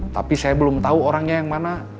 tapi saya belum tahu orangnya yang mana